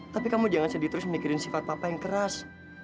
tapi kamu jangan sedih terus mikirin sifat papa yang keras